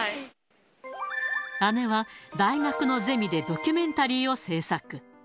姉は大学のゼミでドキュメンタリーを制作。